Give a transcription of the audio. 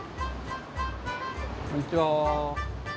こんにちは。